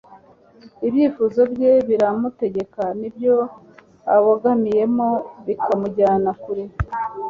ibyifuzo bye biramutegeka, n'ibyo abogamiyemo bikamujyana kure